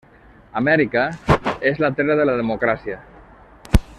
Amèrica és la terra de la democràcia.